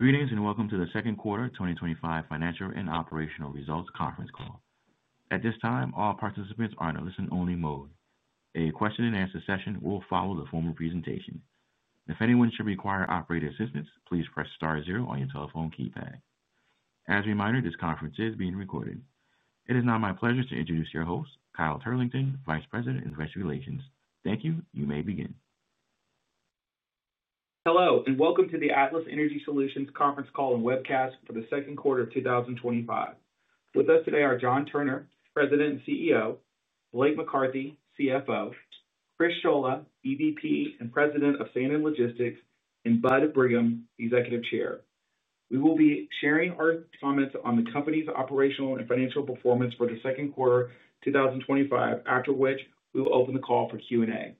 Good evening and welcome to the Second Quarter 2025 Financial and Operational Results Conference Call. At this time, all participants are in a listen-only mode. A question and answer session will follow the formal presentation. If anyone should require operator assistance, please press star zero on your telephone keypad. As a reminder, this conference is being recorded. It is now my pleasure to introduce your host, Kyle Turlington, Vice President of Infrastructure Relations. Thank you. You may begin. Hello and welcome to the Atlas Energy Solutions conference call and webcast for the second quarter of 2025. With us today are John Turner, President and CEO, Blake McCarthy, CFO, Chris Scholla, EVP and President of Sand and Logistics Logistics, and Bud Brigham, Executive Chair. We will be sharing our comments on the company's operational and financial performance for the second quarter of 2025, after which we will open the call for Q&A.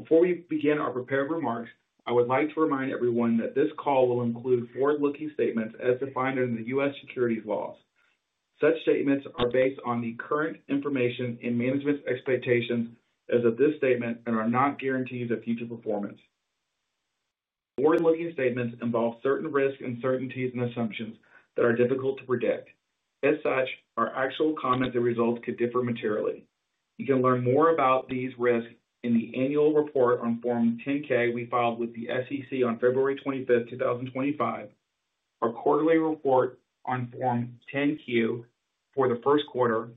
Before we begin our prepared remarks, I would like to remind everyone that this call will include forward-looking statements as defined under the U.S. securities laws. Such statements are based on the current information and management's expectations as of this statement and are not guarantees of future performance. Forward-looking statements involve certain risks, uncertainties, and assumptions that are difficult to predict. As such, our actual comments and results could differ materially. You can learn more about these risks in the annual report on Form 10-K we filed with the SEC on February 25, 2025, our quarterly report on Form 10-Q for the first quarter,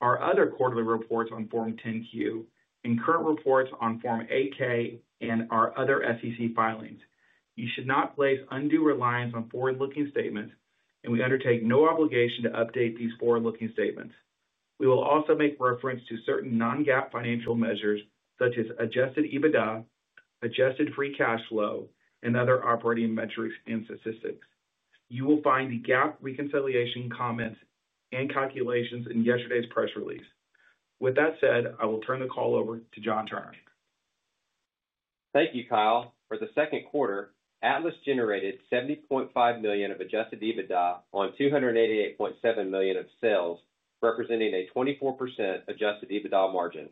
our other quarterly reports on Form 10-Q, and current reports on Form 8-K, and our other SEC filings. You should not place undue reliance on forward-looking statements, and we undertake no obligation to update these forward-looking statements. We will also make reference to certain non-GAAP financial measures such as adjusted EBITDA, adjusted free cash flow, and other operating metrics and statistics. You will find the GAAP reconciliation comments and calculations in yesterday's press release. With that said, I will turn the call over to John Turner. Thank you, Kyle. For the second quarter, Atlas generated $70.5 million of adjusted EBITDA on $288.7 million of sales, representing a 24% adjusted EBITDA margin.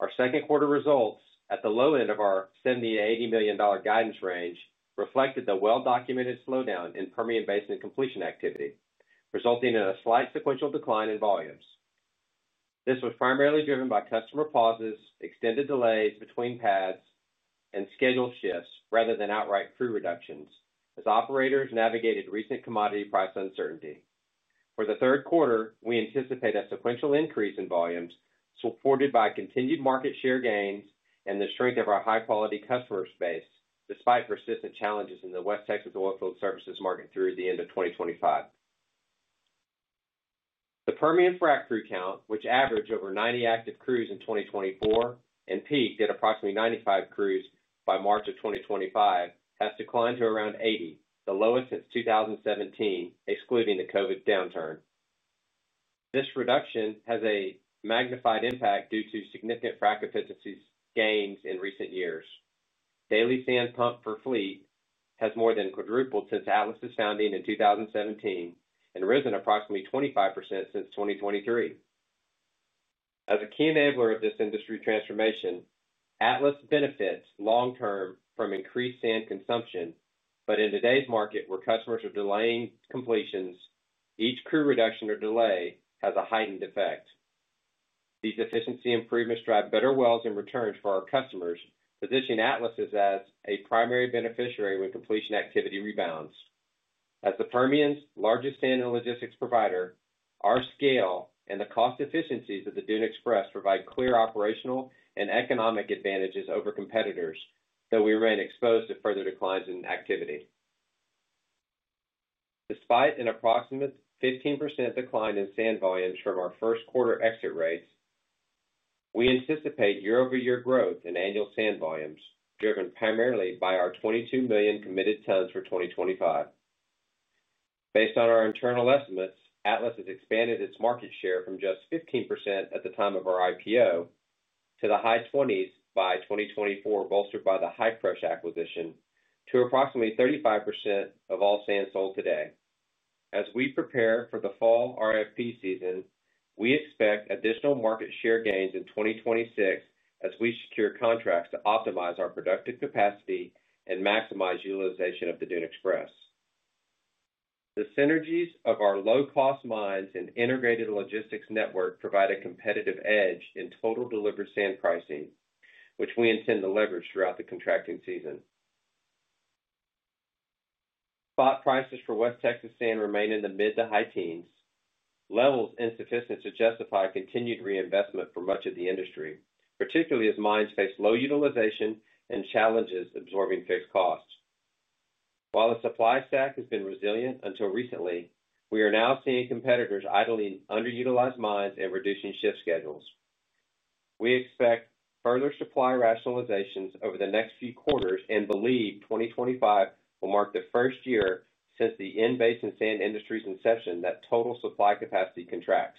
Our second quarter results, at the low end of our $70 million-$80 million guidance range, reflected the well-documented slowdown in Permian Basin completion activity, resulting in a slight sequential decline in volumes. This was primarily driven by customer pauses, extended delays between pads, and scheduled shifts rather than outright fleet reductions as operators navigated recent commodity price uncertainty. For the third quarter, we anticipate a sequential increase in volumes supported by continued market share gains and the strength of our high-quality customers' base despite persistent challenges in the West Texas oilfield services market through the end of 2025. The Permian frac fleet count, which averaged over 90 active crews in 2024 and peaked at approximately 95 crews by March of 2025, has declined to around 80, the lowest since 2017, excluding the COVID downturn. This reduction has a magnified impact due to significant frac efficiency gains in recent years. Daily sand pumped per fleet has more than quadrupled since Atlas's founding in 2017 and risen approximately 25% since 2023. As a key enabler of this industry transformation, Atlas benefits long-term from increased sand consumption, but in today's market where customers are delaying completions, each crew reduction or delay has a heightened effect. These efficiency improvements drive better wells and returns for our customers, positioning Atlas as a primary beneficiary when completion activity rebounds. As the Permian's largest sand and logistics provider, our scale and the cost efficiencies of the Dune Express provide clear operational and economic advantages over competitors, though we remain exposed to further declines in activity. Despite an approximate 15% decline in sand volumes from our first quarter exit rates, we anticipate year-over-year growth in annual sand volumes, driven primarily by our 22 million committed tons for 2025. Based on our internal estimates, Atlas has expanded its market share from just 15% at the time of our IPO to the high 20s by 2024, bolstered by the Hi-Crush acquisition, to approximately 35% of all sand sold today. As we prepare for the fall RFP season, we expect additional market share gains in 2026 as we secure contracts to optimize our productive capacity and maximize utilization of the Dune Express. The synergies of our low-cost mines and integrated logistics network provide a competitive edge in total delivered sand pricing, which we intend to leverage throughout the contracting season. Spot prices for West Texas sand remain in the mid to high teens, levels insufficient to justify continued reinvestment for much of the industry, particularly as mines face low utilization and challenges absorbing fixed costs. While the supply stack has been resilient until recently, we are now seeing competitors idling underutilized mines and reducing shift schedules. We expect further supply rationalizations over the next few quarters and believe 2025 will mark the first year since the in-basin sand industry's inception that total supply capacity contracts.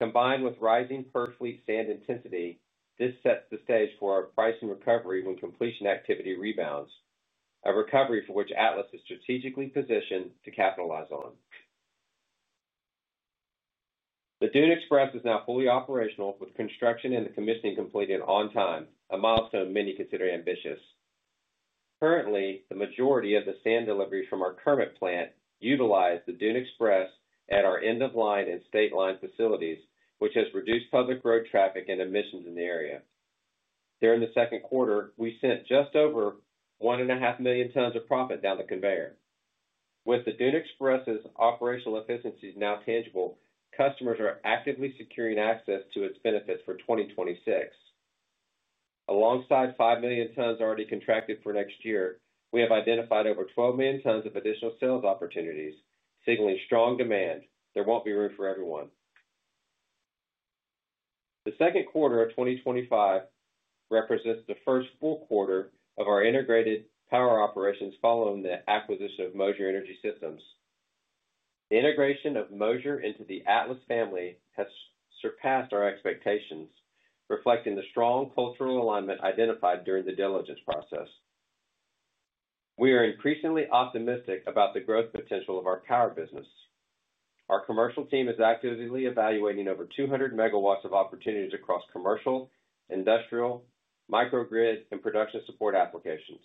Combined with rising per-fleet sand intensity, this sets the stage for a pricing recovery when completion activity rebounds, a recovery for which Atlas is strategically positioned to capitalize on. The Dune Express is now fully operational with construction and the commissioning completed on time, a milestone many consider ambitious. Currently, the majority of the sand deliveries from our Kermit plant utilize the Dune Express at our end-of-line and state line facilities, which has reduced public road traffic and emissions in the area. During the second quarter, we sent just over 1.5 million tons of proppant down the conveyor. With the Dune Express's operational efficiencies now tangible, customers are actively securing access to its benefits for 2026. Alongside 5 million tons already contracted for next year, we have identified over 12 million tons of additional sales opportunities, signaling strong demand. There won't be room for everyone. The second quarter of 2025 represents the first full quarter of our integrated power operations following the acquisition of Moser Energy Systems. The integration of Moser into the Atlas family has surpassed our expectations, reflecting the strong cultural alignment identified during the diligence process. We are increasingly optimistic about the growth potential of our power business. Our commercial team is actively evaluating over 200 MW of opportunities across commercial, industrial, microgrid, and production support applications.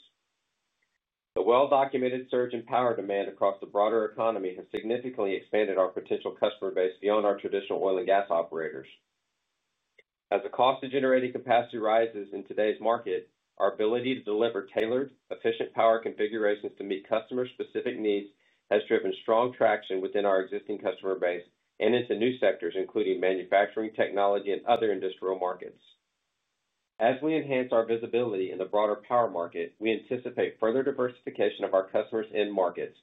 The well-documented surge in power demand across the broader economy has significantly expanded our potential customer base beyond our traditional oil and gas operators. As the cost of generating capacity rises in today's market, our ability to deliver tailored, efficient power configurations to meet customer-specific needs has driven strong traction within our existing customer base and into new sectors, including manufacturing, technology, and other industrial markets. As we enhance our visibility in the broader power market, we anticipate further diversification of our customers' end markets,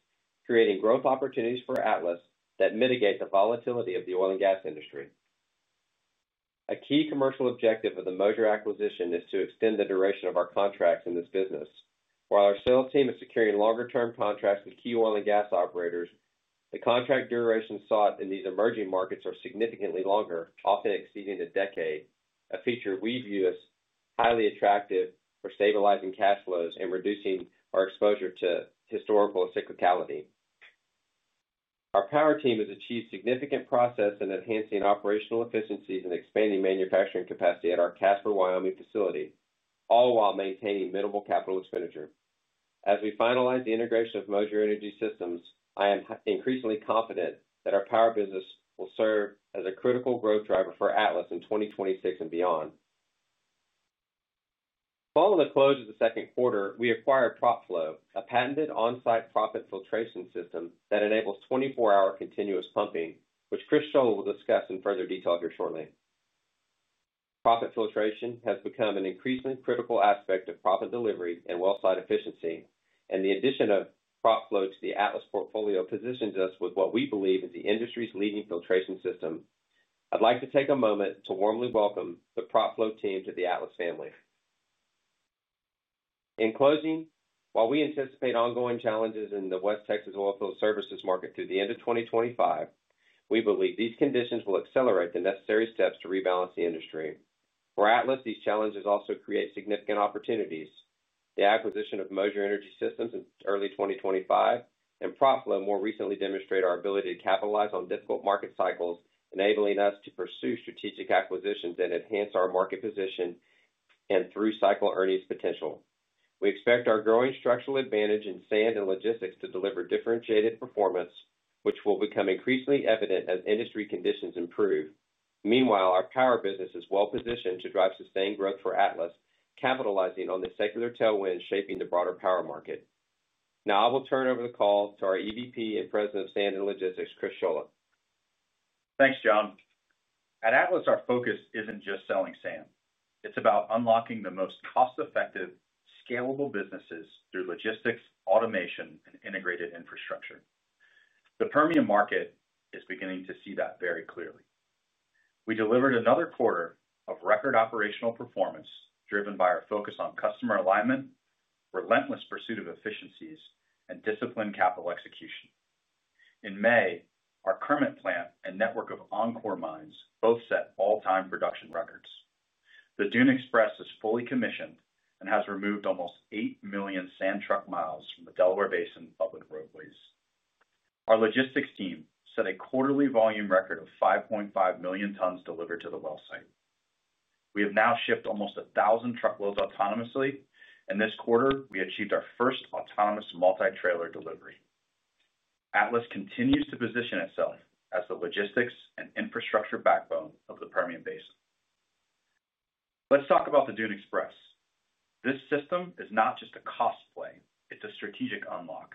creating growth opportunities for Atlas that mitigate the volatility of the oil and gas industry. A key commercial objective of the Moser acquisition is to extend the duration of our contracts in this business. While our sales team is securing longer-term contracts with key oil and gas operators, the contract durations sought in these emerging markets are significantly longer, often exceeding a decade, a feature we view as highly attractive for stabilizing cash flows and reducing our exposure to historical cyclicality. Our power team has achieved significant progress in enhancing operational efficiencies and expanding manufacturing capacity at our Casper, Wyoming facility, all while maintaining minimal CapEx. As we finalize the integration of Moser Energy Systems, I am increasingly confident that our power business will serve as a critical growth driver for Atlas in 2026 and beyond. Following the close of the second quarter, we acquired PropFlow, a patented on-site proppant filtration system that enables 24-hour continuous pumping, which Chris Scholla will discuss in further detail here shortly. Proppant filtration has become an increasingly critical aspect of proppant delivery and well-site efficiency, and the addition of PropFlow to the Atlas portfolio positions us with what we believe is the industry's leading filtration system. I'd like to take a moment to warmly welcome the PropFlow team to the Atlas family. In closing, while we anticipate ongoing challenges in the West Texas oilfield services market through the end of 2025, we believe these conditions will accelerate the necessary steps to rebalance the industry. For Atlas, these challenges also create significant opportunities. The acquisition of Moser Energy Systems in early 2025 and PropFlow more recently demonstrate our ability to capitalize on difficult market cycles, enabling us to pursue strategic acquisitions that enhance our market position and through-cycle earnings potential. We expect our growing structural advantage in sand and logistics to deliver differentiated performance, which will become increasingly evident as industry conditions improve. Meanwhile, our power business is well-positioned to drive sustained growth for Atlas, capitalizing on the secular tailwinds shaping the broader power market. Now I will turn over the call to our EVP and President of Sand and Logistics, Chris Scholla. Thanks, John. At Atlas, our focus isn't just selling sand. It's about unlocking the most cost-effective, scalable businesses through logistics, automation, and integrated infrastructure. The Permian market is beginning to see that very clearly. We delivered another quarter of record operational performance driven by our focus on customer alignment, relentless pursuit of efficiencies, and disciplined capital execution. In May, our Kermit plant and network of encore mines both set all-time production records. The Dune Express is fully commissioned and has removed almost 8 million sand truck miles from the Delaware Basin public roadways. Our logistics team set a quarterly volume record of 5.5 million tons delivered to the well site. We have now shipped almost a thousand truckloads autonomously, and this quarter we achieved our first autonomous multi-trailer delivery. Atlas continues to position itself as the logistics and infrastructure backbone of the Permian Basin. Let's talk about the Dune Express. This system is not just a cost play. It's a strategic unlock.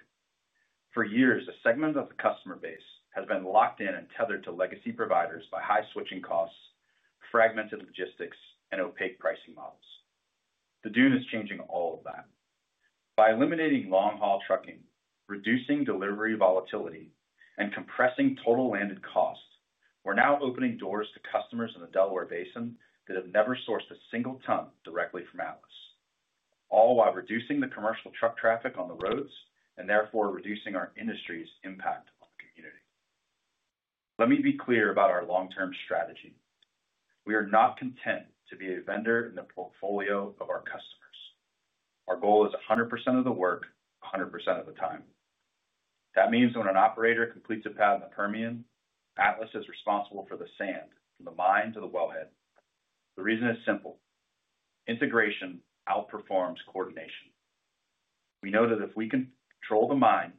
For years, a segment of the customer base has been locked in and tethered to legacy providers by high switching costs, fragmented logistics, and opaque pricing models. The Dune is changing all of that. By eliminating long-haul trucking, reducing delivery volatility, and compressing total landed cost, we're now opening doors to customers in the Delaware Basin that have never sourced a single ton directly from Atlas, all while reducing the commercial truck traffic on the roads and therefore reducing our industry's impact on the community. Let me be clear about our long-term strategy. We are not content to be a vendor in the portfolio of our customers. Our goal is 100% of the work, 100% of the time. That means when an operator completes a pad in the Permian, Atlas is responsible for the sand from the mine to the wellhead. The reason is simple: integration outperforms coordination. We know that if we can control the mine,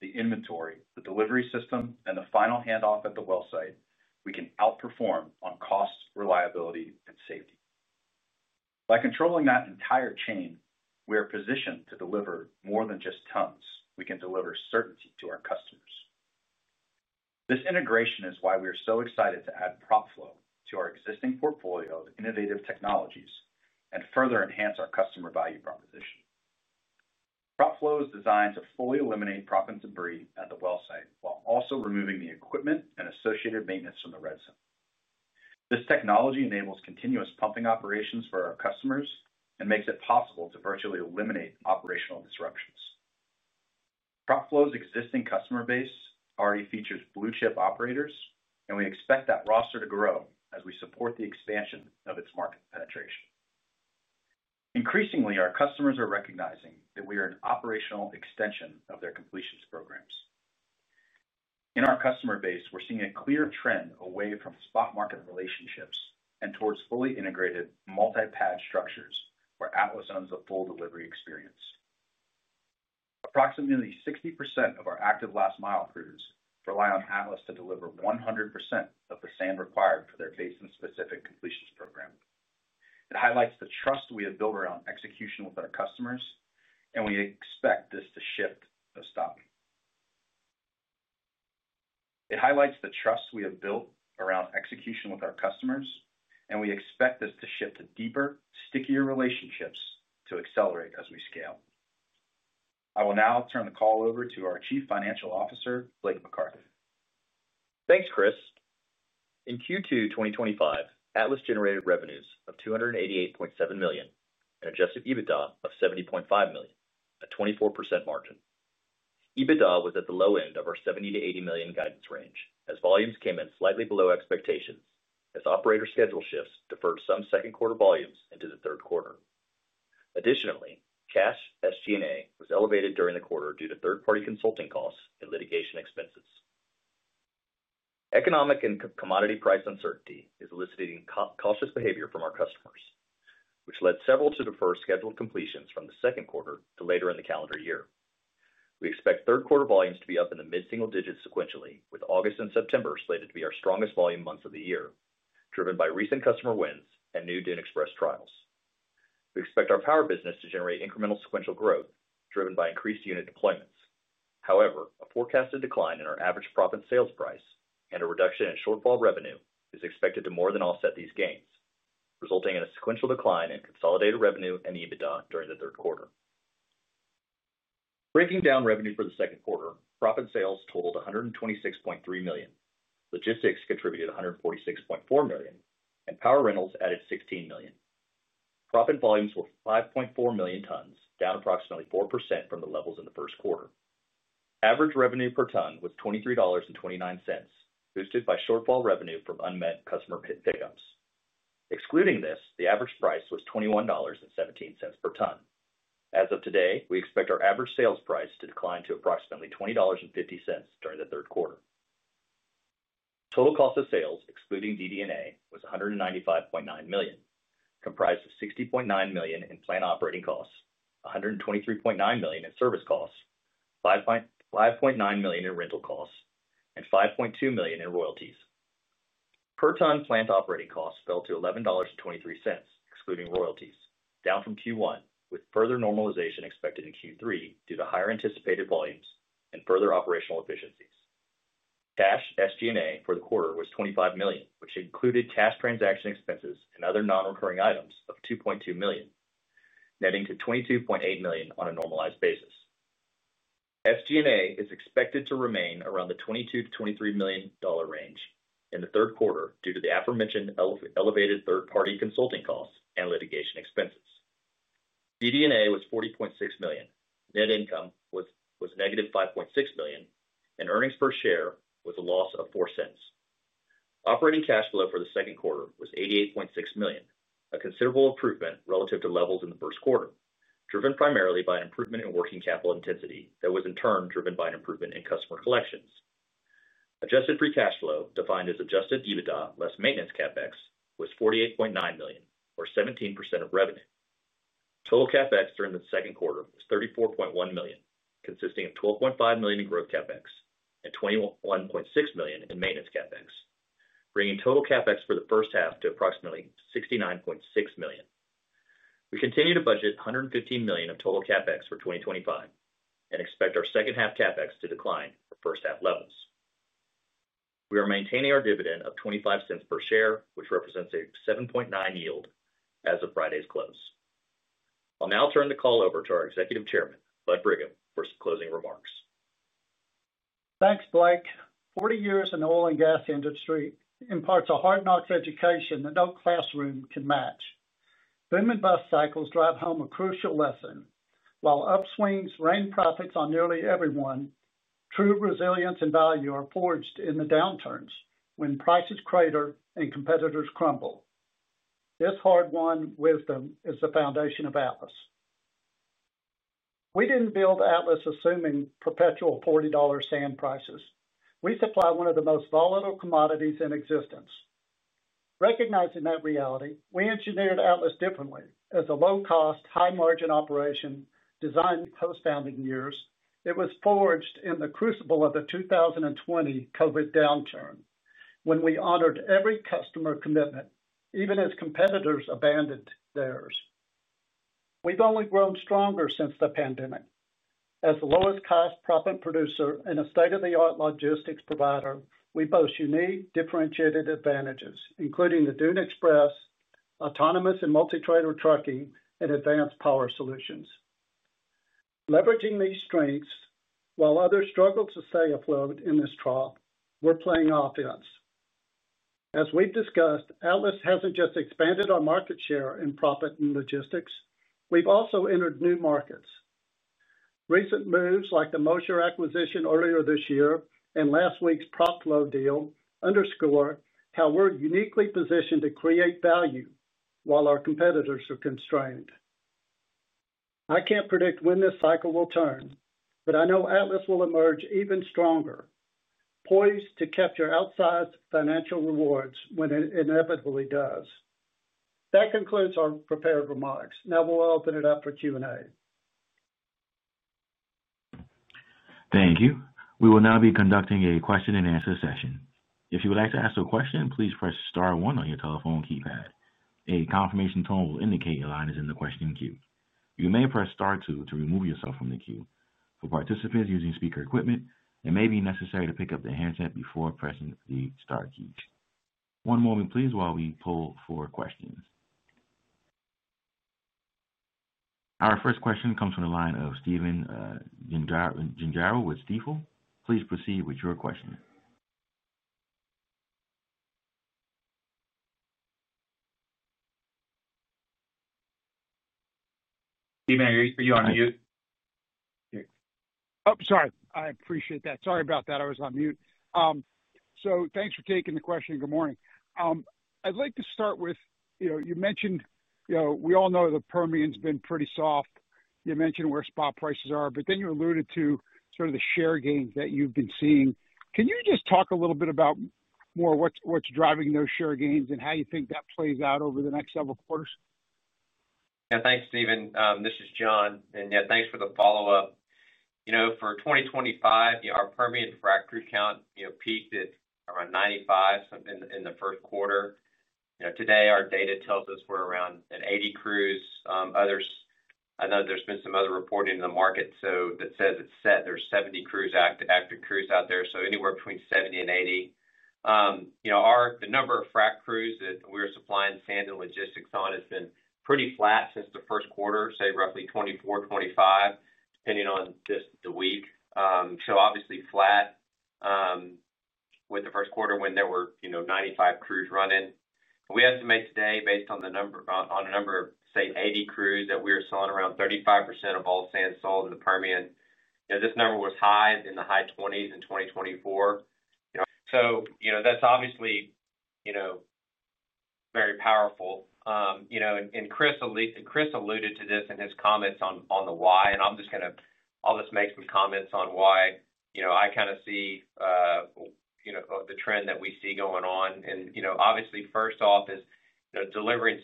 the inventory, the delivery system, and the final handoff at the well site, we can outperform on cost, reliability, and safety. By controlling that entire chain, we are positioned to deliver more than just tons. We can deliver certainty to our customers. This integration is why we are so excited to add PropFlow to our existing portfolio of innovative technologies and further enhance our customer value proposition. PropFlow is designed to fully eliminate proppant and debris at the well site while also removing the equipment and associated maintenance from the red zone. This technology enables continuous pumping operations for our customers and makes it possible to virtually eliminate operational disruptions. PropFlow's existing customer base already features blue chip operators, and we expect that roster to grow as we support the expansion of its market penetration. Increasingly, our customers are recognizing that we are an operational extension of their completions programs. In our customer base, we're seeing a clear trend away from spot market relationships and towards fully integrated multi-pad structures where Atlas owns the full delivery experience. Approximately 60% of our active last mile crews rely on Atlas to deliver 100% of the sand required for their basin-specific completions program. It highlights the trust we have built around execution with our customers, and we expect this to shift to deeper, stickier relationships to accelerate as we scale. I will now turn the call over to our Chief Financial Officer, Blake McCarthy. Thanks, Chris. In Q2 2025, Atlas Energy Solutions generated revenues of $288.7 million and adjusted EBITDA of $70.5 million, a 24% margin. EBITDA was at the low end of our $70 million-$80 million guidance range as volumes came in slightly below expectation as operator scheduled shifts deferred some second quarter volumes into the third quarter. Additionally, cash SG&A was elevated during the quarter due to third-party consulting costs and litigation expenses. Economic and commodity price uncertainty is eliciting cautious behavior from our customers, which led several to defer scheduled completions from the second quarter to later in the calendar year. We expect third quarter volumes to be up in the mid-single digits sequentially, with August and September slated to be our strongest volume months of the year, driven by recent customer wins and new Dune Express trials. We expect our power business to generate incremental sequential growth driven by increased unit deployments. However, a forecasted decline in our average proppant sales price and a reduction in shortfall revenue is expected to more than offset these gains, resulting in a sequential decline in consolidated revenue and EBITDA during the third quarter. Breaking down revenue for the second quarter, proppant sales totaled $126.3 million, logistics contributed $146.4 million, and power rentals added $16 million. Proppant volumes were 5.4 million tons, down approximately 4% from the levels in the first quarter. Average revenue per ton was $23.29, boosted by shortfall revenue from unmet customer payouts. Excluding this, the average price was $21.17 per ton. As of today, we expect our average sales price to decline to approximately $20.50 during the third quarter. Total cost of sales, excluding DD&A, was $195.9 million, comprised of $60.9 million in plant operating costs, $123.9 million in service costs, $5.9 million in rental costs, and $5.2 million in royalties. Per ton plant operating costs fell to $11.23, excluding royalties, down from Q1, with further normalization expected in Q3 due to higher anticipated volumes and further operational efficiencies. Cash SG&A for the quarter was $25 million, which included cash transaction expenses and other non-recurring items of $2.2 million, netting to $22.8 million on a normalized basis. SG&A is expected to remain around the $22 million-$23 million range in the third quarter due to the aforementioned elevated third-party consulting costs and litigation expenses. DD&A was $40.6 million, net income was -$5.6 million, and earnings per share was a loss of $0.04. Operating cash flow for the second quarter was $88.6 million, a considerable improvement relative to levels in the first quarter, driven primarily by an improvement in working capital intensity that was in turn driven by an improvement in customer collections. Adjusted free cash flow, defined as adjusted EBITDA less maintenance capex, was $48.9 million, or 17% of revenue. Total capex during the second quarter was $34.1 million, consisting of $12.5 million in growth CapEx and $21.6 million in maintenance capex, bringing total capex for the first half to approximately $69.6 million. We continue to budget $115 million of total capex for 2025 and expect our second half capex to decline for first half levels. We are maintaining our dividend of $0.25 per share, which represents a 7.9% yield as of Friday's close. I'll now turn the call over to our Executive Chairman, Bud Brigham, for closing remarks. Thanks, Blake. Forty years in the oil and gas industry imparts a hard-knock education that no classroom can match. Boom and bust cycles drive home a crucial lesson. While upswings rain profits on nearly everyone, true resilience and value are forged in the downturns when prices crater and competitors crumble. This hard-won wisdom is the foundation of Atlas. We didn't build Atlas assuming perpetual $40 sand prices. We supply one of the most volatile commodities in existence. Recognizing that reality, we engineered Atlas differently. As a low-cost, high-margin operation designed in the post-founding years, it was forged in the crucible of the 2020 COVID downturn when we honored every customer commitment, even as competitors abandoned theirs. We've only grown stronger since the pandemic. As the lowest-cost profit producer and a state-of-the-art logistics provider, we boast unique, differentiated advantages, including the Dune Express, autonomous and multi-trailer trucking, and advanced power solutions. Leveraging these strengths, while others struggle to stay afloat in this trough, we're playing offense. As we've discussed, Atlas hasn't just expanded our market share in proppant and logistics, we've also entered new markets. Recent moves like the Moser acquisition earlier this year and last week's PropFlow deal underscore how we're uniquely positioned to create value while our competitors are constrained. I can't predict when this cycle will turn, but I know Atlas will emerge even stronger, poised to capture outsized financial rewards when it inevitably does. That concludes our prepared remarks. Now we'll open it up for Q&A. Thank you. We will now be conducting a question and answer session. If you would like to ask a question, please press star one on your telephone keypad. A confirmation tone will indicate your line is in the question queue. You may press star two to remove yourself from the queue. For participants using speaker equipment, it may be necessary to pick up the headset before pressing the star keys. One moment, please, while we pull for questions. Our first question comes from the line of Stephen David Gengaro with Stifel. Please proceed with your question. Hey man, are you on mute? Sorry about that. I appreciate that. I was on mute. Thanks for taking the question. Good morning. I'd like to start with, you mentioned, we all know the Permian's been pretty soft. You mentioned where spot prices are, but then you alluded to the share gains that you've been seeing. Can you just talk a little bit more about what's driving those share gains and how you think that plays out over the next several quarters? Yeah, thanks, Steven. This is John. Yeah, thanks for the follow-up. For 2025, our Permian frac crew count peaked at around 95 in the first quarter. Today our data tells us we're around 80 crews. Others, I know there's been some other reporting in the market that says there are 70 active crews out there, so anywhere between 70 and 80. The number of frac crews that we're supplying sand and logistics on has been pretty flat since the first quarter, say roughly 24, 25, depending on just the week. Obviously flat with the first quarter when there were 95 crews running. We estimate today, based on a number of, say, 80 crews, that we are selling around 35% of all sand sold in the Permian. This number was in the high 20% in 2024. That's obviously very powerful. Chris alluded to this in his comments on the why, and I'll just make some comments on why I kind of see the trend that we see going on. Obviously, first off is delivering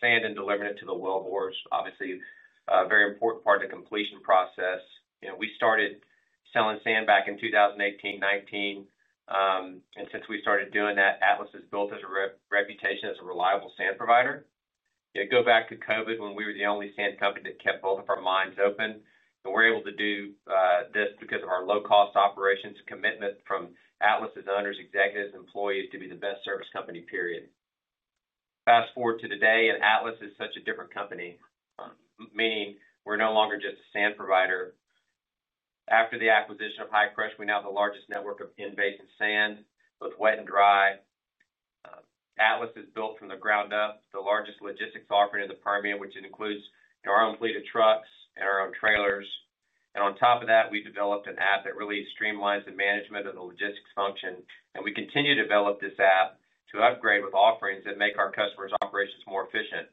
sand and delivering it to the wellbores, obviously a very important part of the completion process. We started selling sand back in 2018, 2019. Since we started doing that, Atlas Energy Solutions has built a reputation as a reliable sand provider. Go back to COVID when we were the only sand company that kept both of our mines open. We were able to do this because of our low-cost operations, commitment from Atlas's owners, executives, and employees to be the best service company, period. Fast forward to today, and Atlas is such a different company, meaning we're no longer just a sand provider. After the acquisition of Hi-Crush, we now have the largest network of in-basin sand, both wet and dry. Atlas has built from the ground up the largest logistics offering in the Permian, which includes our own fleet of trucks and our own trailers. On top of that, we've developed an app that really streamlines the management of the logistics function. We continue to develop this app to upgrade with offerings that make our customers' operations more efficient.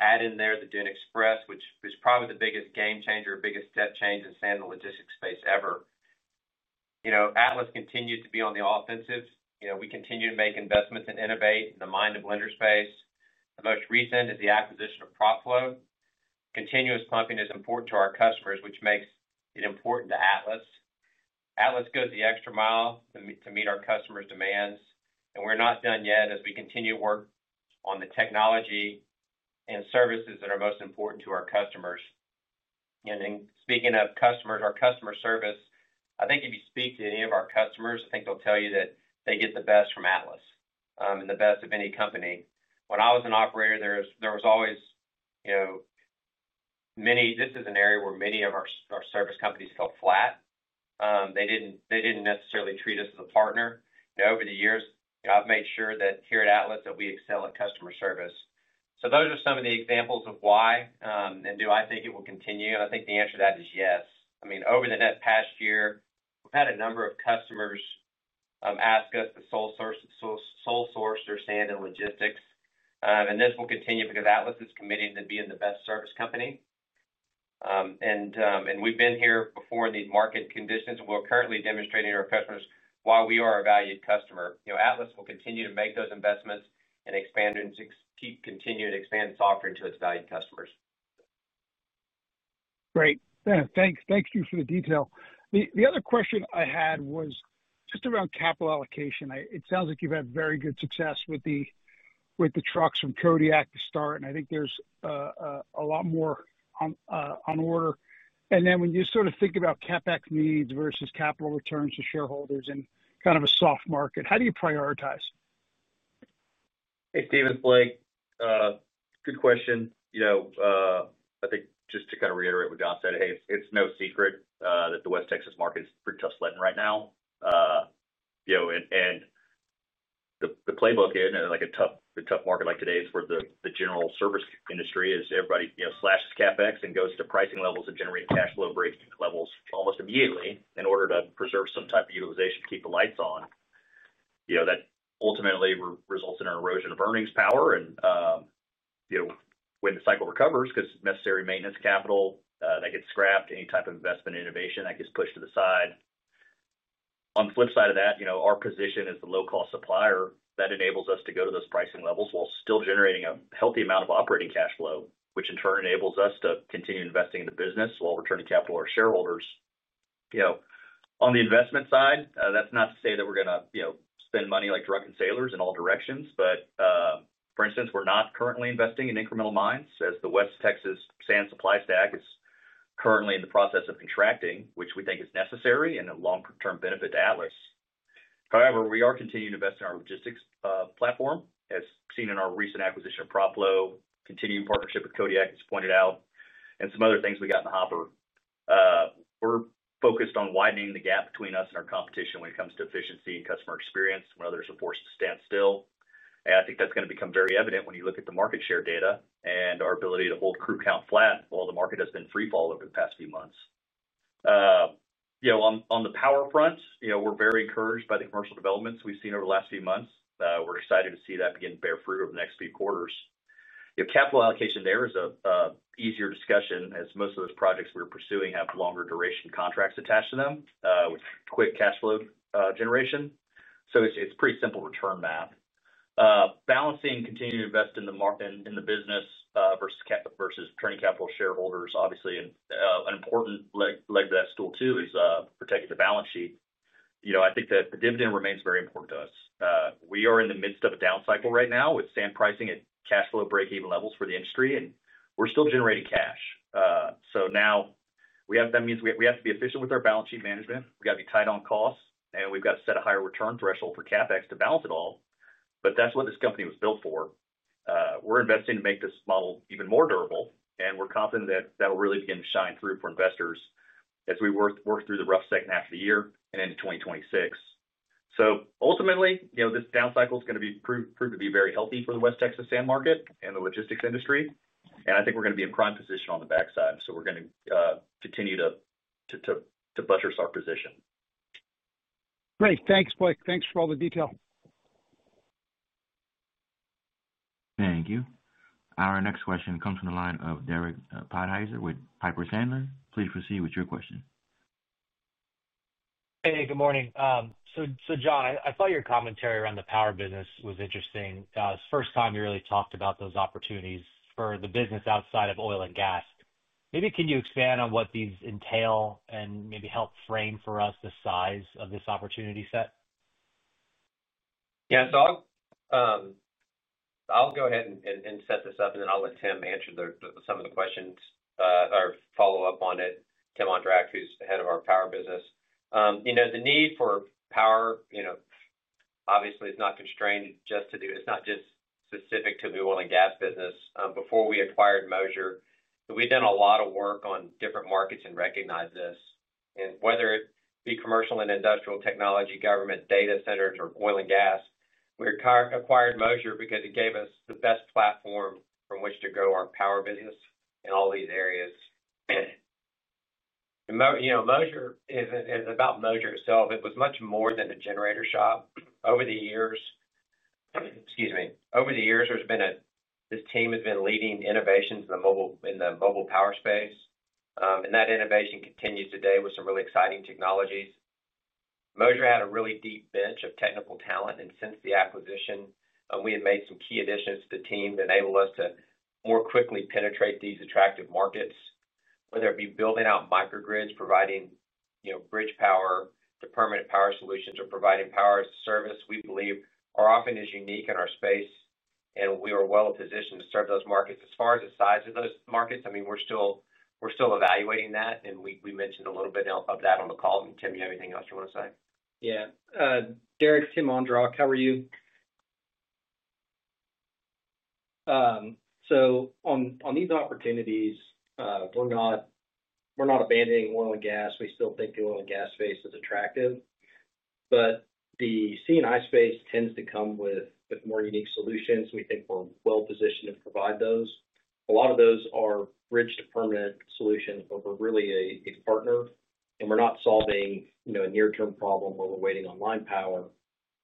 Add in there the Dune Express, which was probably the biggest game changer, biggest step change in the sand and logistics space ever. Atlas continues to be on the offensive. You know, we continue to make investments and innovate in the mined and blender space. The most recent is the acquisition of PropFlow. Continuous pumping is important to our customers, which makes it important to Atlas. Atlas goes the extra mile to meet our customers' demands. We're not done yet as we continue to work on the technology and services that are most important to our customers. Speaking of customers, our customer service, I think if you speak to any of our customers, I think they'll tell you that they get the best from Atlas and the best of any company. When I was an operator, this is an area where many of our service companies fell flat. They didn't necessarily treat us as a partner. Over the years, I've made sure that here at Atlas that we excel at customer service. Those are some of the examples of why. Do I think it will continue? I think the answer to that is yes. Over the past year, we've had a number of customers ask us to sole source their sand and logistics. This will continue because Atlas is committing to being the best service company. We've been here before in these market conditions, and we're currently demonstrating to our customers why we are a valued customer. Atlas will continue to make those investments and keep continuing to expand its offering to its valued customers. Great. Thanks. Thank you for the detail. The other question I had was just around capital allocation. It sounds like you've had very good success with the trucks from Kodiak to start, and I think there's a lot more on order. When you sort of think about CapEx needs versus capital returns to shareholders in kind of a soft market, how do you prioritize? Hey, Steven, Blake, good question. I think just to kind of reiterate what John said, it's no secret that the West Texas market is pretty tough sledding right now. The playbook in a tough market like today for the general service industry is everybody slashes CapEx and goes to pricing levels and generating cash flow rate levels almost immediately in order to preserve some type of utilization to keep the lights on. That ultimately results in an erosion of earnings power. When the cycle recovers, because necessary maintenance capital gets scrapped, any type of investment in innovation gets pushed to the side. On the flip side of that, our position as the low-cost supplier enables us to go to those pricing levels while still generating a healthy amount of operating cash flow, which in turn enables us to continue investing in the business while returning capital to our shareholders. On the investment side, that's not to say that we're going to spend money like drunken sailors in all directions, but, for instance, we're not currently investing in incremental mines as the West Texas sand supply stack is currently in the process of contracting, which we think is necessary and a long-term benefit to Atlas. However, we are continuing to invest in our logistics platform, as seen in our recent acquisition of PropFlow, continuing partnership with Kodiak Robotics, as pointed out, and some other things we got in the hopper. We're focused on widening the gap between us and our competition when it comes to efficiency and customer experience when others report to stand still. I think that's going to become very evident when you look at the market share data and our ability to hold crew count flat while the market has been free fall over the past few months. On the power front, we're very encouraged by the commercial developments we've seen over the last few months. We're excited to see that begin to bear fruit over the next few quarters. Capital allocation there is an easier discussion as most of those projects we're pursuing have longer duration contracts attached to them with quick cash flow generation. It's a pretty simple return map. Balancing continuing to invest in the business versus returning capital to shareholders, obviously, an important leg of that stool too is protecting the balance sheet. I think that the dividend remains very important to us. We are in the midst of a down cycle right now with sand pricing at cash flow break-even levels for the industry, and we're still generating cash. That means we have to be efficient with our balance sheet management. We've got to be tight on costs, and we've got to set a higher return threshold for CapEx to balance it all. That's what this company was built for. We're investing to make this model even more durable, and we're confident that will really begin to shine through for investors as we work through the rough second half of the year and into 2026. Ultimately, this down cycle is going to prove to be very healthy for the West Texas sand market and the logistics industry. I think we're going to be in prime position on the backside. We're going to continue to buttress our position. Great. Thanks, Blake. Thanks for all the detail. Thank you. Our next question comes from the line of Derek John Podhaizer with Piper Sandler & Co. Please proceed with your question. Good morning. John, I thought your commentary around the power business was interesting. It was the first time you really talked about those opportunities for the business outside of oil and gas. Maybe can you expand on what these entail and maybe help frame for us the size of this opportunity set? Yeah, so I'll go ahead and set this up, and then I'll let Tim answer some of the questions or follow up on it. Tim Ondrak, who's Head of our Power business. You know, the need for power, you know, obviously, it's not constrained just to, it's not just specific to the oil and gas business. Before we acquired Moser, we'd done a lot of work on different markets and recognized this. Whether it be commercial and industrial technology, government data centers, or oil and gas, we acquired Moser because it gave us the best platform from which to grow our power business in all these areas. Moser isn't about Moser itself. It was much more than the generator shop. Over the years, this team has been leading innovations in the mobile power space. That innovation continues today with some really exciting technologies. Moser had a really deep bench of technical talent, and since the acquisition, we had made some key additions to the team that enabled us to more quickly penetrate these attractive markets, whether it be building out microgrids, providing bridge power to permanent power solutions, or providing power as a service, which we believe are often unique in our space. We are well in a position to serve those markets. As far as the size of those markets, we're still evaluating that. We mentioned a little bit of that on the call. Tim, do you have anything else you want to say? Yeah. Derek, Tim Ondrak, how are you? On these opportunities, we're not abandoning oil and gas. We still think the oil and gas space is attractive. The C&I space tends to come with more unique solutions. We think we're well positioned to provide those. A lot of those are bridge to permanent solutions, but we're really a partner. We're not solving a near-term problem where we're waiting on line power.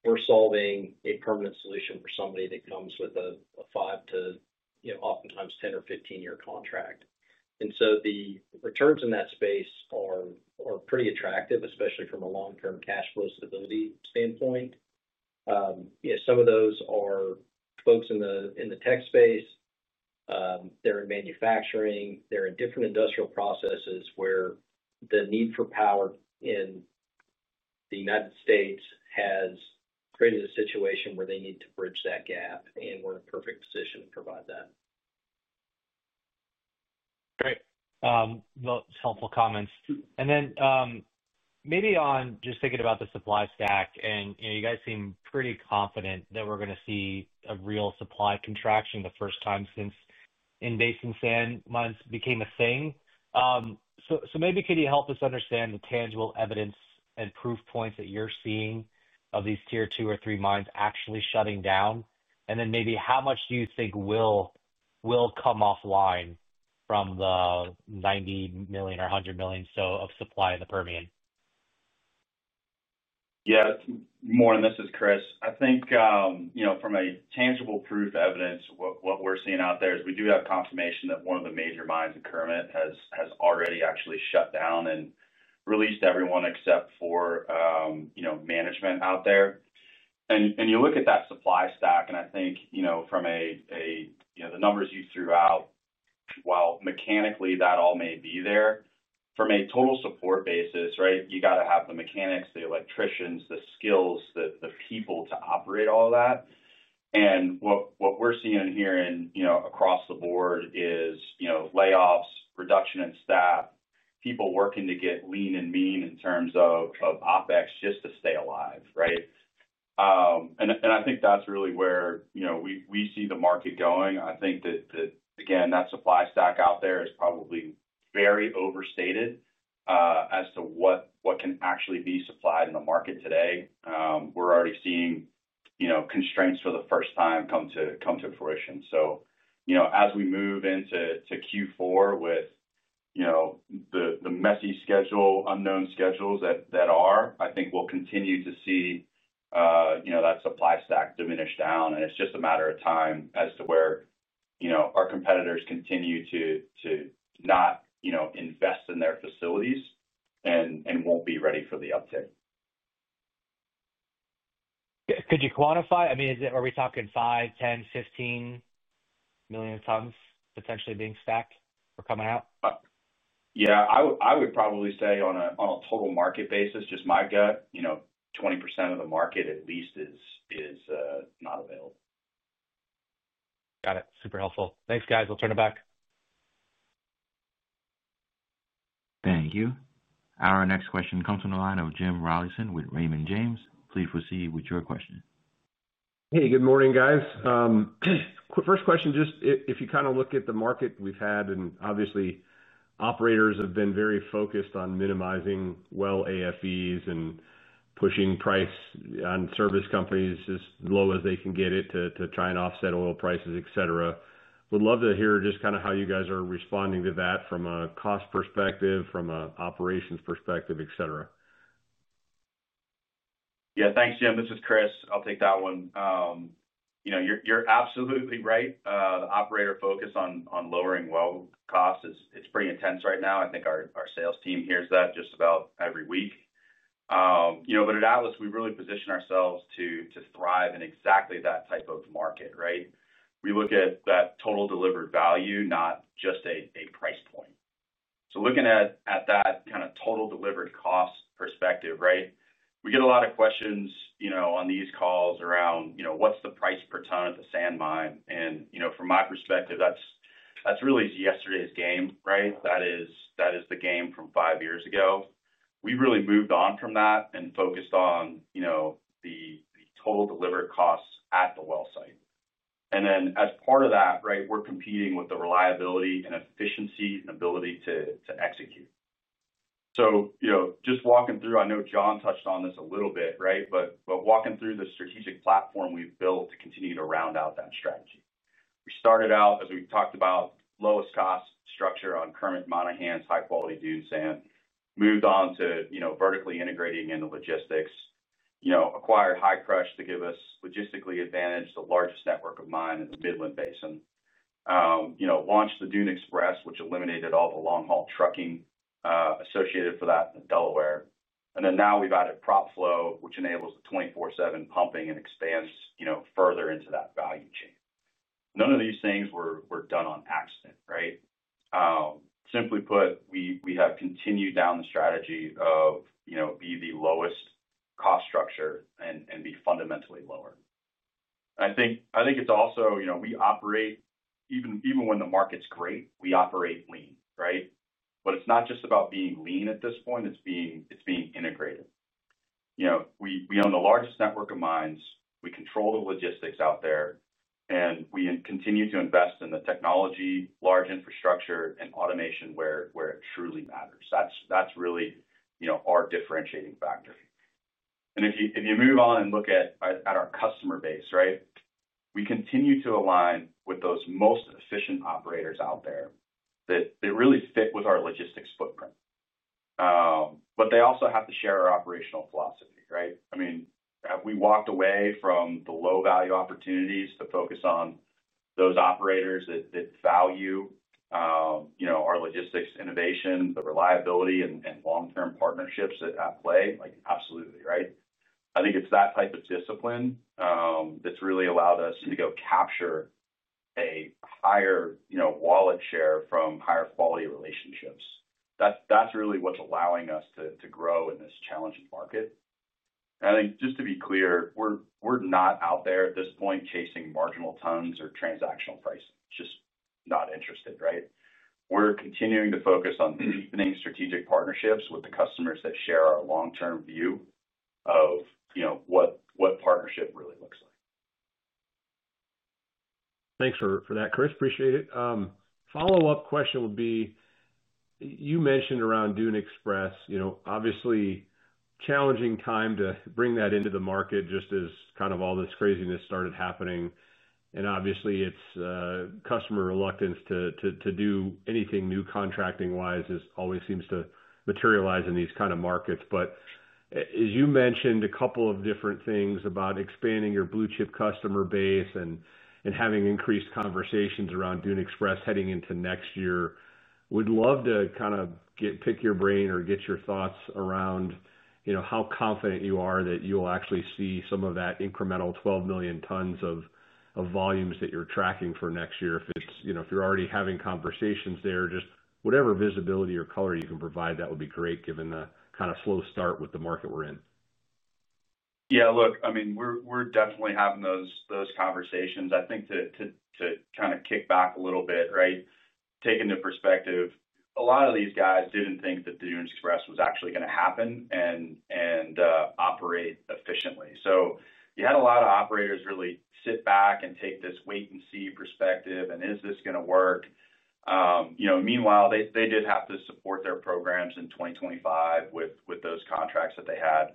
We're solving a permanent solution for somebody that comes with a five to, you know, oftentimes 10 or 15-year contract. The returns in that space are pretty attractive, especially from a long-term cash flow stability standpoint. Some of those are folks in the tech space. They're in manufacturing. They're in different industrial processes where the need for power in the United States has created a situation where they need to bridge that gap, and we're in a perfect position to provide that. Great. Those are helpful comments. Maybe on just thinking about the supply stack, you guys seem pretty confident that we're going to see a real supply contraction for the first time since in-basin sand mines became a thing. Can you help us understand the tangible evidence and proof points that you're seeing of these tier two or three mines actually shutting down? How much do you think will come offline from the $90 million or $100 million or so of supply in the Permian? Yeah, more on this is Chris. I think from a tangible proof of evidence, what we're seeing out there is we do have confirmation that one of the major mines in Kermit has already actually shut down and released everyone except for management out there. You look at that supply stack, and I think the numbers you threw out, while mechanically that all may be there, from a total support basis, you got to have the mechanics, the electricians, the skills, the people to operate all of that. What we're seeing here and across the board is layoffs, reduction in staff, people working to get lean and mean in terms of OpEx just to stay alive. I think that's really where we see the market going. I think that supply stack out there is probably very overstated as to what can actually be supplied in the market today. We're already seeing constraints for the first time come to fruition. As we move into Q4 with the messy schedule, unknown schedules that are, I think we'll continue to see that supply stack diminish down. It's just a matter of time as to where our competitors continue to not invest in their facilities and won't be ready for the uptake. Could you quantify? I mean, is that where we're talking 5, 10, 15 million tons potentially being stacked or coming out? Yeah, I would probably say on a total market basis, just my gut, you know, 20% of the market at least is not available. Got it. Super helpful. Thanks, guys. We'll turn it back. Thank you. Our next question comes from the line of James Michael Rollyson with Raymond James. Please proceed with your question. Hey, good morning, guys. First question, just if you kind of look at the market we've had, and obviously operators have been very focused on minimizing well AFEs and pushing price on service companies as low as they can get it to try and offset oil prices, etc. Would love to hear just kind of how you guys are responding to that from a cost perspective, from an operations perspective, etc. Yeah, thanks, Jim. This is Chris. I'll take that one. You're absolutely right. The operator focus on lowering well costs is pretty intense right now. I think our sales team hears that just about every week. At Atlas, we really position ourselves to thrive in exactly that type of market, right? We look at that total delivered value, not just a price point. Looking at that kind of total delivered cost perspective, we get a lot of questions on these calls around what's the price per ton at the sand mine. From my perspective, that's really yesterday's game. That is the game from five years ago. We really moved on from that and focused on the total delivered costs at the well site. As part of that, we're competing with the reliability and efficiency and ability to execute. Walking through, I know John touched on this a little bit, but walking through the strategic platform we've built to continue to round out that strategy. We started out, as we talked about, lowest cost structure on Kermit, Monahans, high-quality Dune sand, moved on to vertically integrating into logistics, acquired Hi-Crush to give us logistical advantage, the largest network of mine in the Midland Basin. We launched the Dune Express, which eliminated all the long-haul trucking associated for that in the Delaware. Now we've added PropFlow, which enables the 24/7 pumping and expands further into that value chain. None of these things were done on accident. Simply put, we have continued down the strategy of being the lowest cost structure and being fundamentally lower. I think it's also, we operate even when the market's great, we operate lean. It's not just about being lean at this point. It's being integrative. We own the largest network of mines. We control the logistics out there. We continue to invest in the technology, large infrastructure, and automation where it truly matters. That's really our differentiating factor. If you move on and look at our customer base, we continue to align with those most efficient operators out there that really fit with our logistics footprint, but they also have to share our operational philosophy, right? Have we walked away from the low-value opportunities to focus on those operators that value our logistics innovation, the reliability, and long-term partnerships at play? Absolutely, right? I think it's that type of discipline that's really allowed us to go capture a higher wallet share from higher quality relationships. That's really what's allowing us to grow in this challenging market. I think just to be clear, we're not out there at this point chasing marginal tons or transactional pricing. Just not interested, right? We're continuing to focus on deepening strategic partnerships with the customers that share our long-term view of what partnership really looks like. Thanks for that, Chris. Appreciate it. My follow-up question would be, you mentioned around Dune Express, obviously a challenging time to bring that into the market just as all this craziness started happening. Obviously, it's a customer reluctance to do anything new contracting-wise as always seems to materialize in these kind of markets. As you mentioned a couple of different things about expanding your blue-chip customer base and having increased conversations around Dune Express heading into next year, we'd love to get your thoughts around how confident you are that you'll actually see some of that incremental 12 million tons of volumes that you're tracking for next year. If you're already having conversations there, just whatever visibility or color you can provide, that would be great given the kind of slow start with the market we're in. Yeah, look, we're definitely having those conversations. I think to kind of kick back a little bit, right, take into perspective, a lot of these guys didn't think that Dune Express was actually going to happen and operate efficiently. You had a lot of operators really sit back and take this wait-and-see perspective and is this going to work? Meanwhile, they did have to support their programs in 2025 with those contracts that they had.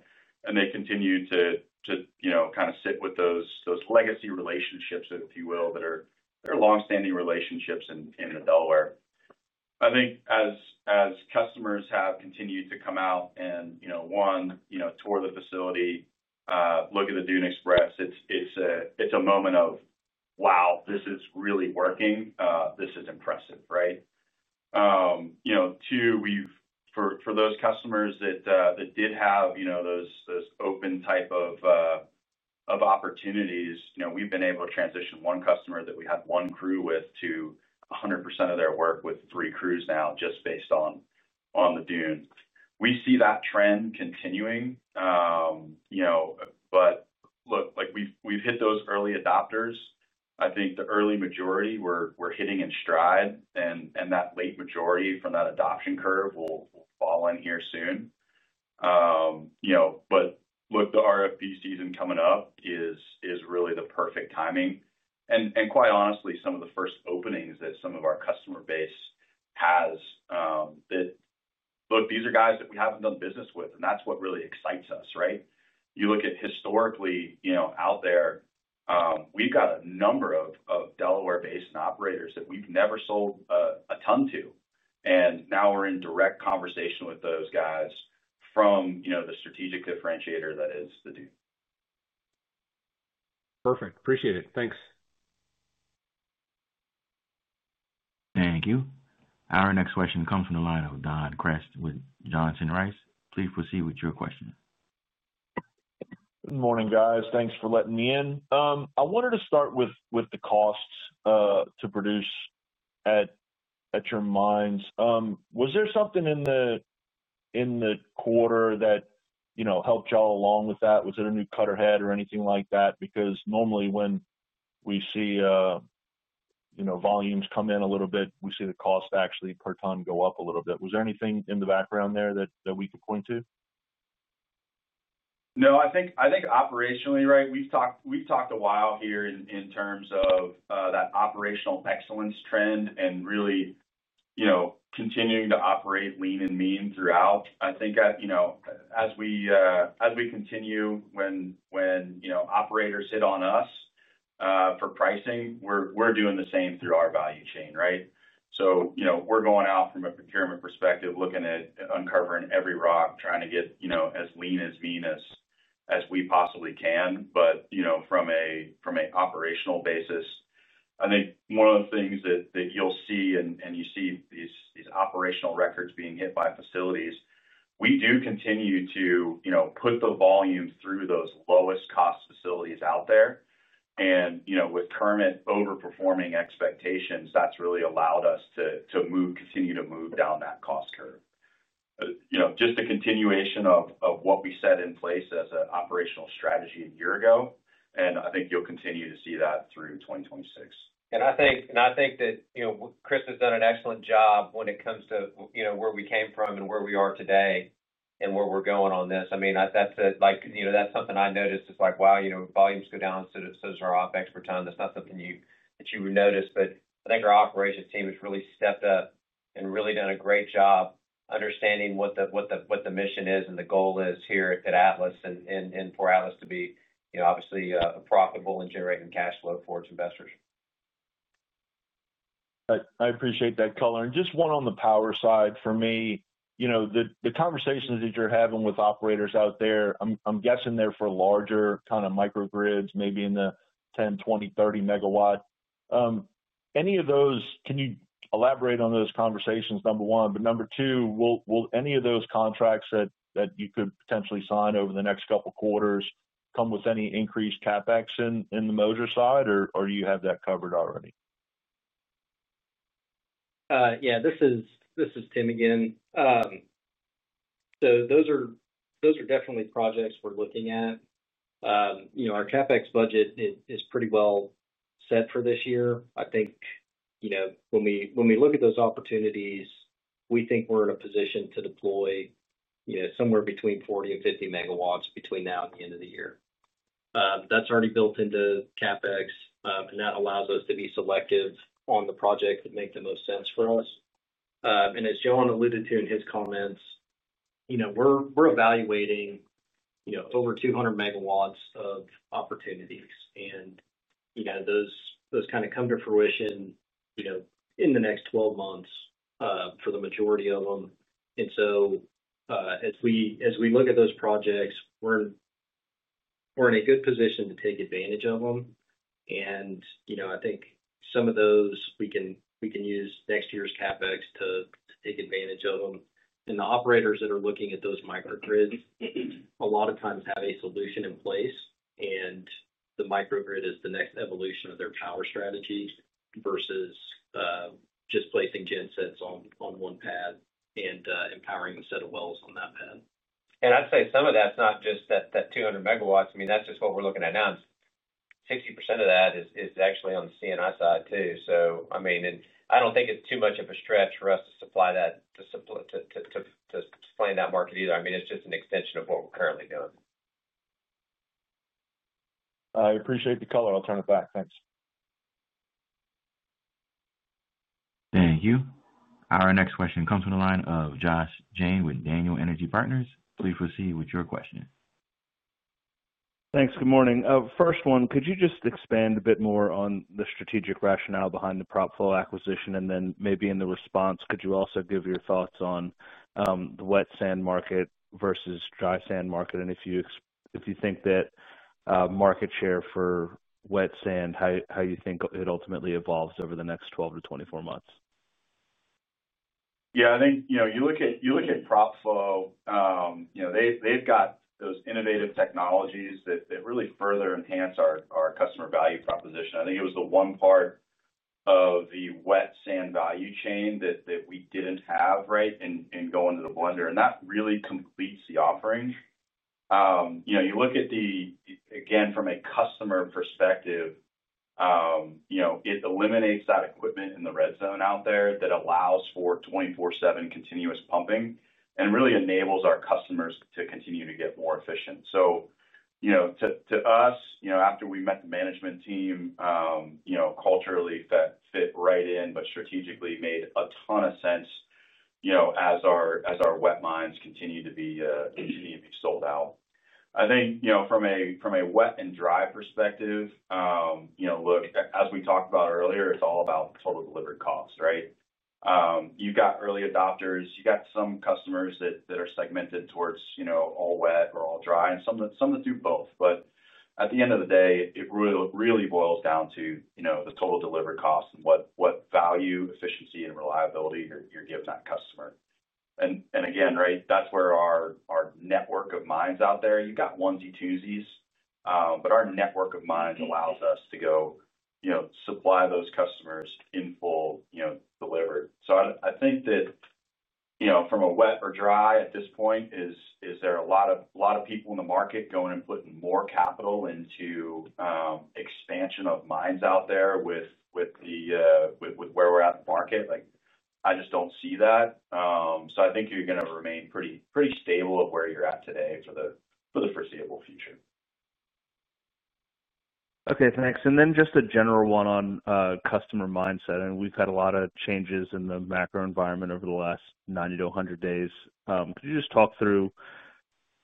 They continue to kind of sit with those legacy relationships, if you will, that are longstanding relationships in the Delaware. I think as customers have continued to come out and, one, tour the facility, look at the Dune Express, it's a moment of, wow, this is really working, this is impressive, right? Two, for those customers that did have those open type of opportunities, we've been able to transition one customer that we had one crew with to 100% of their work with three crews now just based on the Dune. We see that trend continuing. We've hit those early adopters. I think the early majority we're hitting in stride and that late majority from that adoption curve will fall in here soon. The RFP season coming up is really the perfect timing. Quite honestly, some of the first openings that some of our customer base has, these are guys that we haven't done business with, and that's what really excites us, right? You look at historically, out there, we've got a number of Delaware-based operators that we've never sold a ton to. Now we're in direct conversation with those guys from the strategic differentiator that is the Dune. Perfect. Appreciate it. Thanks. Thank you. Our next question comes from the line of Donald Peter Crist with Johnson Rice & Company. Please proceed with your question. Good morning, guys. Thanks for letting me in. I wanted to start with the costs to produce at your mines. Was there something in the quarter that helped y'all along with that? Was it a new cutter head or anything like that? Because normally when we see volumes come in a little bit, we see the cost actually per ton go up a little bit. Was there anything in the background there that we could point to? I think operationally, we've talked a while here in terms of that operational excellence trend and really, you know, continuing to operate lean and mean throughout. I think that, you know, as we continue, when operators hit on us for pricing, we're doing the same through our value chain, right? We're going out from a procurement perspective, looking at uncovering every rock, trying to get as lean and mean as we possibly can. From an operational basis, I think one of the things that you'll see, and you see these operational records being hit by facilities, we do continue to put the volume through those lowest cost facilities out there. With Kermit overperforming expectations, that's really allowed us to continue to move down that cost curve. It's just a continuation of what we set in place as an operational strategy a year ago. I think you'll continue to see that through 2026. I think that, you know, Chris has done an excellent job when it comes to where we came from and where we are today and where we're going on this. I mean, that's it. Like, you know, that's something I noticed. It's like, wow, you know, volumes go down since our OpEx per ton. That's not something you would notice. I think your operations team has really stepped up and really done a great job understanding what the mission is and the goal is here at Atlas and for Atlas to be, you know, obviously a profitable and generating cash flow for its investors. I appreciate that, Colin. Just one on the power side for me. The conversations that you're having with operators out there, I'm guessing they're for larger kind of microgrids, maybe in the 10, 20, 30 MW range. Can you elaborate on those conversations, number one? Number two, will any of those contracts that you could potentially sign over the next couple of quarters come with any increased CapEx on the Moser side, or do you have that covered already? Yeah, this is Tim again. Those are definitely projects we're looking at. Our CapEx budget is pretty well set for this year. I think when we look at those opportunities, we think we're in a position to deploy somewhere between 40 and 50 MW between now and the end of the year. That's already built into CapEx, and that allows us to be selective on the projects that make the most sense for us. As John alluded to in his comments, we're evaluating over 200 MW of opportunities. Those kind of come to fruition in the next 12 months, for the majority of them. As we look at those projects, we're in a good position to take advantage of them. I think some of those we can use next year's CapEx to take advantage of them. The operators that are looking at those microgrids a lot of times have a solution in place, and the microgrid is the next evolution of their power strategy versus just placing gen sets on one pad and empowering a set of wells on that pad. I'd say some of that's not just that 200 MW. I mean, that's just what we're looking at now. It's 60% of that is actually on the CNI side too. I don't think it's too much of a stretch for us to supply that to find that market either. It's just an extension of what we're currently doing. I appreciate the color. I'll turn it back. Thanks. Thank you. Our next question comes from the line of Joshua W. Jayne with Daniel Energy Partners. Please proceed with your question. Thanks. Good morning. First one, could you just expand a bit more on the strategic rationale behind the PropFlow acquisition? In the response, could you also give your thoughts on the wet sand market versus dry sand market? If you think that market share for wet sand, how you think it ultimately evolves over the next 12 to 24 months? Yeah, I think, you know, you look at PropFlow, you know, they've got those innovative technologies that really further enhance our customer value proposition. I think it was the one part of the wet sand value chain that we didn't have, right, in going to the blender. That really completes the offering. You know, you look at the, again, from a customer perspective, it eliminates that equipment in the red zone out there that allows for 24/7 continuous pumping and really enables our customers to continue to get more efficient. To us, after we met the management team, culturally fit right in, but strategically made a ton of sense, as our wet mines continue to be sold out. I think, from a wet and dry perspective, look, as we talked about earlier, it's all about total delivered cost, right? You've got early adopters. You've got some customers that are segmented towards all wet or all dry, and some that do both. At the end of the day, it really boils down to the total delivered cost and what value, efficiency, and reliability you're giving that customer. Again, that's where our network of mines out there, you've got onesie-twosies, but our network of mines allows us to go supply those customers in full, delivered. I think that, from a wet or dry at this point, is there a lot of people in the market going and putting more capital into expansion of mines out there with where we're at in the market? I just don't see that. I think you're going to remain pretty stable of where you're at today for the foreseeable future. Okay, thanks. Just a general one on customer mindset. We've had a lot of changes in the macro environment over the last 90 to 100 days. Could you just talk through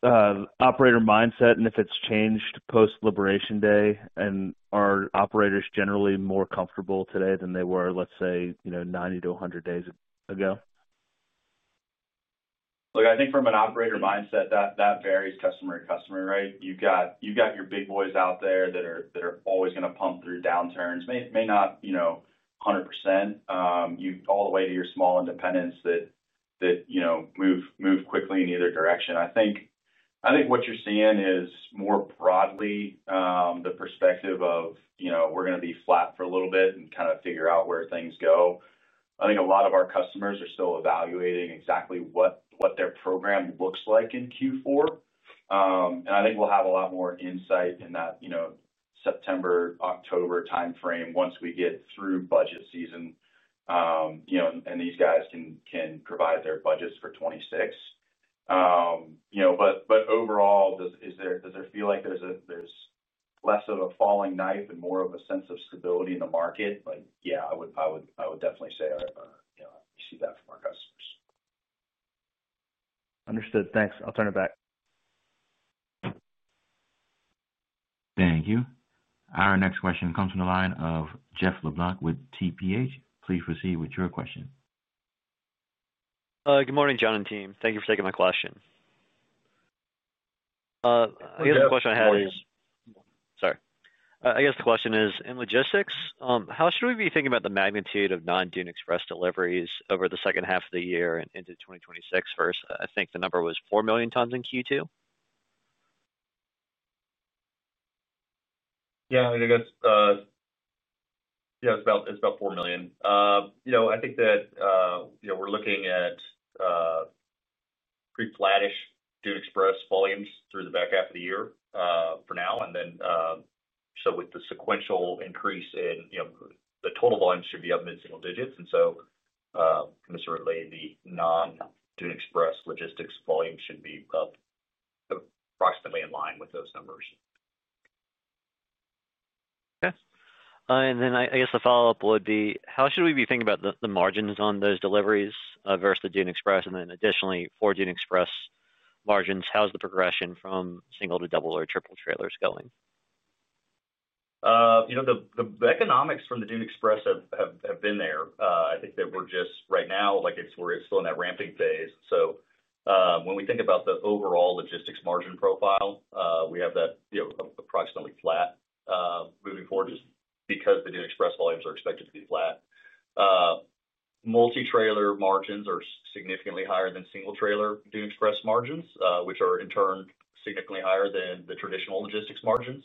operator mindset and if it's changed post-liberation day? Are operators generally more comfortable today than they were, let's say, 90 to 100 days ago? Look, I think from an operator mindset, that varies customer to customer, right? You've got your big boys out there that are always going to pump through downturns. May not, you know, 100%, all the way to your small independents that move quickly in either direction. I think what you're seeing is more broadly, the perspective of, you know, we're going to be flat for a little bit and kind of figure out where things go. I think a lot of our customers are still evaluating exactly what their program looks like in Q4, and I think we'll have a lot more insight in that September-October timeframe once we get through budget season. You know, and these guys can provide their budgets for 2026. You know, but overall, does there feel like there's less of a falling knife and more of a sense of stability in the market? Like, yeah, I would definitely say, you see that from our customers. Understood. Thanks. I'll turn it back. Thank you. Our next question comes from the line of Jeffrey Michael LeBlanc with Tudor. Please proceed with your question. Good morning, John and team. Thank you for taking my question. I guess the question is, in logistics, how should we be thinking about the magnitude of non-Dune Express deliveries over the second half of the year and into 2026? First, I think the number was 4 million tons in Q2. Yeah, I think that's, yeah, it's about 4 million. I think that we're looking at pretty flat-ish Dune Express volumes through the back half of the year for now. With the sequential increase in, you know, the total volume should be up mid-single digits. In this early, the non-Dune Express logistics volume should be up approximately in line with those numbers. Okay. I guess the follow-up would be, how should we be thinking about the margins on those deliveries versus the Dune Express? Additionally, for Dune Express margins, how's the progression from single to double or triple trailers going? You know, the economics from the Dune Express have been there. I think that we're just right now, like it's where it's still in that ramping phase. When we think about the overall logistics margin profile, we have that approximately flat, moving forward just because the Dune Express volumes are expected to be flat. Multi-trailer margins are significantly higher than single-trailer Dune Express margins, which are, in turn, significantly higher than the traditional logistics margins.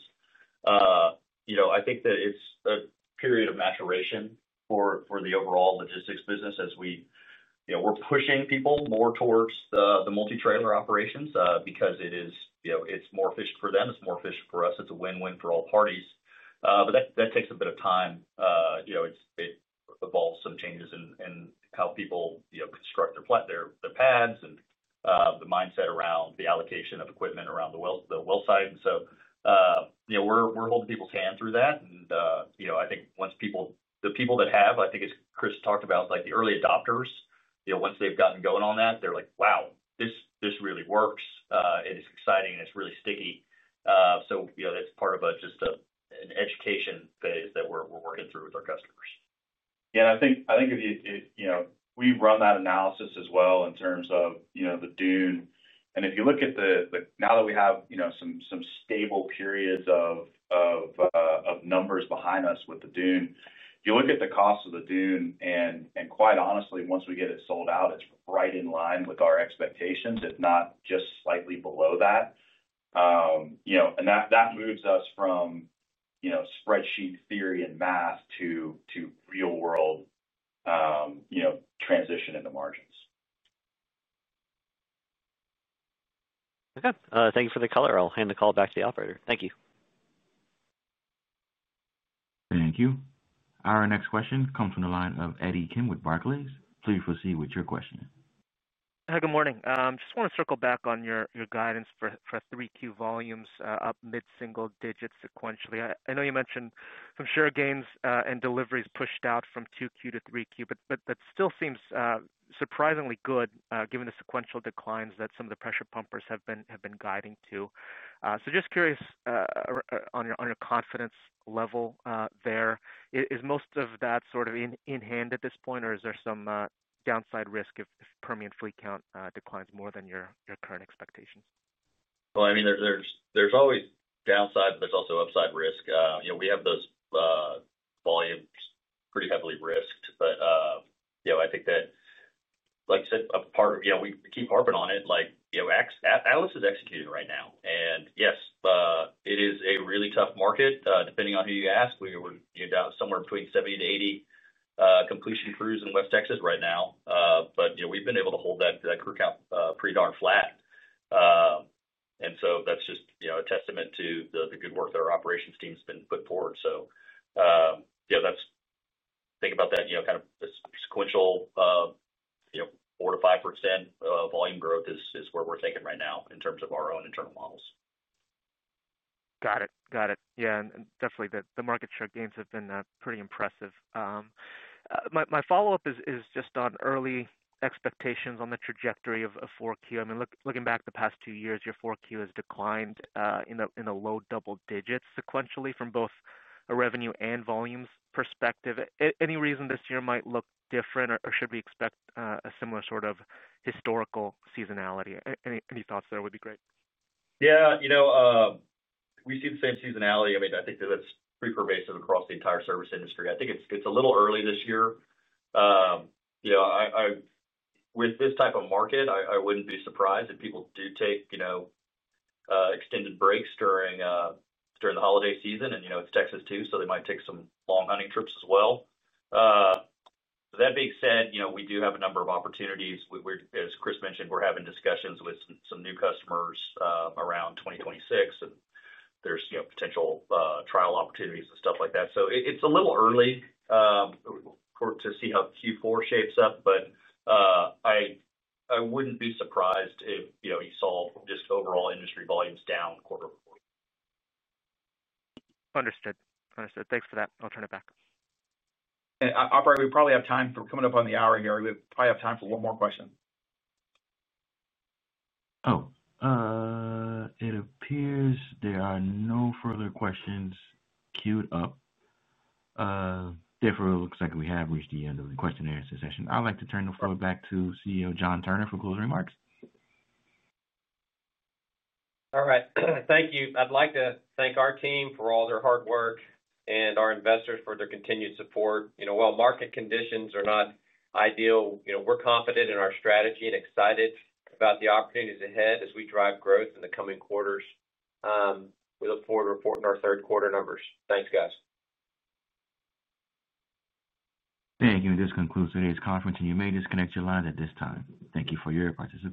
I think that it's a period of maturation for the overall logistics business as we are pushing people more towards the multi-trailer operations because it is more efficient for them. It's more efficient for us. It's a win-win for all parties. That takes a bit of time. It involves some changes in how people construct their pads and the mindset around the allocation of equipment around the well site. We're holding people's hand through that. I think once people, the people that have, I think as Chris Scholla talked about, like the early adopters, once they've gotten going on that, they're like, wow, this really works. It is exciting and it's really sticky. That's part of just an education phase that we're working through with our customers. I think if you, you know, we run that analysis as well in terms of the Dune. If you look at the, now that we have some stable periods of numbers behind us with the Dune, you look at the cost of the Dune, and quite honestly, once we get it sold out, it's right in line with our expectations. It's not just slightly below that. That moves us from spreadsheet theory and math to real-world transition into margins. Okay, thank you for the color. I'll hand the call back to the operator. Thank you. Thank you. Our next question comes from the line of Sungeun Kim with Barclays Bank PLC. Please proceed with your question. Hi, good morning. I just want to circle back on your guidance for 3Q volumes up mid-single digits sequentially. I know you mentioned from share gains and deliveries pushed out from 2Q to 3Q, but that still seems surprisingly good given the sequential declines that some of the pressure pumpers have been guiding to. Just curious on your confidence level there. Is most of that sort of in hand at this point, or is there some downside risk if Permian fleet count declines more than your current expectation? There is always downside, but there's also upside risk. We have those volumes pretty heavily risked. I think that, like you said, a part of, you know, we keep harping on it, Atlas is executing right now. Yes, it is a really tough market. Depending on who you ask, we're somewhere between 70 to 80 completion crews in West Texas right now. We've been able to hold that crew count pretty darn flat, and that's just a testament to the good work that our operations team's been putting forward. Think about that, kind of the sequential 4%-5% volume growth is where we're thinking right now in terms of our own internal models. Got it. Yeah, and definitely the market share gains have been pretty impressive. My follow-up is just on early expectations on the trajectory of 4Q. I mean, looking back the past two years, your 4Q has declined in a low double digit sequentially from both a revenue and volumes perspective. Any reason this year might look different, or should we expect a similar sort of historical seasonality? Any thoughts there would be great. Yeah, you know, we see the same seasonality. I mean, I think that it's pretty pervasive across the entire service industry. I think it's a little early this year. You know, with this type of market, I wouldn't be surprised if people do take extended breaks during the holiday season. You know, it's Texas too, so they might take some long hunting trips as well. That being said, we do have a number of opportunities. As Chris Scholla mentioned, we're having discussions with some new customers around 2026, and there's potential trial opportunities and stuff like that. It's a little early to see how Q4 shapes up, but I wouldn't be surprised if you saw just overall industry volumes down quarterly. Understood. Understood. Thanks for that. I'll turn it back. Operator, we probably have time for, coming up on the hour here, we probably have time for one more question. Oh, it appears there are no further questions queued up. Therefore, it looks like we have reached the end of the question and answer session. I'd like to turn the floor back to CEO John Turner for closing remarks. All right. Thank you. I'd like to thank our team for all their hard work and our investors for their continued support. While market conditions are not ideal, we're confident in our strategy and excited about the opportunities ahead as we drive growth in the coming quarters. We look forward to reporting our third quarter numbers. Thanks, guys. Thank you. This concludes today's conference, and you may disconnect your line at this time. Thank you for your participation.